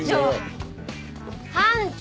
班長！